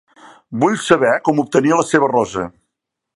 Vull saber com obtenir la seva rosa.